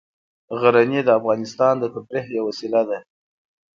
غزني د افغانانو د تفریح یوه وسیله ده.